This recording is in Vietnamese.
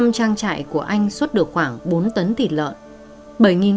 năm trang trại của anh xuất được khoảng bốn tấn thịt lợn